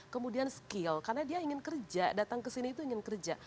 kemudian skill karena dia ingin kerja datang ke sini itu ingin kerja